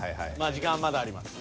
時間はまだあります。